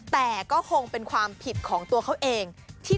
แต่ก็คงเป็นความผิดของตัวเขาเอง